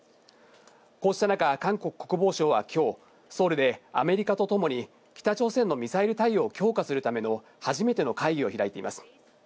こうした中、韓国国防省は今日、ソウルでアメリカとともに北朝鮮のミサイル対応を強化するための初めての会議を開いています。